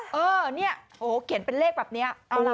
โอ้โหเขียนเป็นเลขแบบนี้